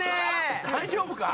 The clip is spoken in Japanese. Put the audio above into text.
大丈夫か？